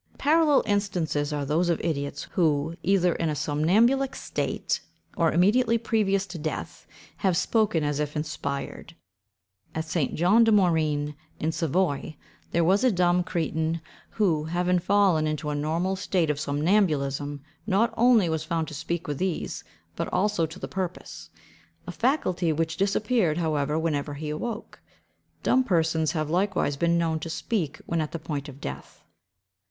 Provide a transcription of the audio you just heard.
Parallel instances are those of idiots, who, either in a somnambulic state, or immediately previous to death, have spoken as if inspired. At St. Jean de Maurinne, in Savoy, there was a dumb cretin, who, having fallen into a natural state of somnambulism, not only was found to speak with ease, but also to the purpose; a faculty which disappeared, however, whenever he awoke. Dumb persons have likewise been known to speak when at the point of death.